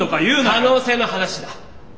可能性の話だ。